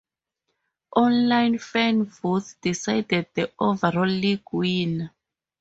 Online fan votes decided the overall League winner.